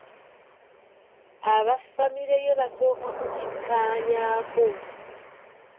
Aba famire ye basooka kukikkaanyaako.